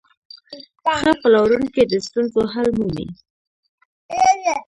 ښه پلورونکی د ستونزو حل مومي.